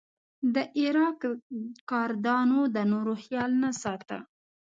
د عراق کردانو د نورو خیال نه ساته.